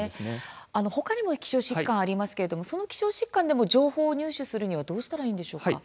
他にも希少疾患ありますけれども希少疾患の情報入手するにはどうしたらいいんでしょうか。